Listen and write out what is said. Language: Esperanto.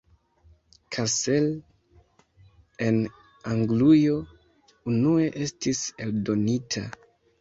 Cassell en Anglujo unue estis eldonita.